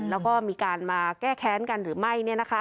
แล้วก็มีการมาแก้แค้นกันหรือไม่เนี่ยนะคะ